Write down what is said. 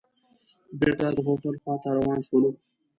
بېرته د هوټل خوا ته روان شولو.